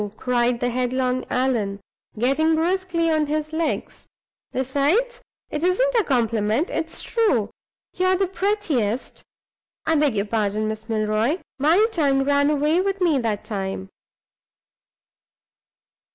cried the headlong Allan, getting briskly on his legs. "Besides, it isn't a compliment; it's true. You are the prettiest I beg your pardon, Miss Milroy! my tongue ran away with me that time."